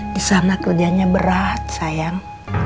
disana kerjanya berat sayang